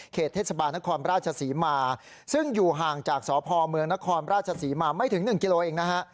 เทศบาลนครราชศรีมาซึ่งอยู่ห่างจากสพเมืองนครราชศรีมาไม่ถึง๑กิโลเองนะฮะ